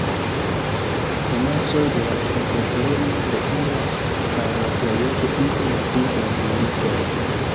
Komencoj de la entrepreno reiras al la periodo inter la du mondmilitoj.